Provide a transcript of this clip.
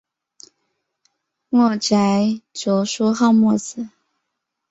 墨翟着书号墨子。